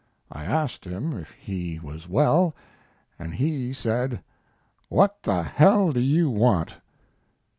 I asked him if he was well, and he said, 'What the hell do you want?'